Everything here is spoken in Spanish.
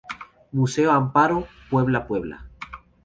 Museo Amparo, Puebla, Puebla.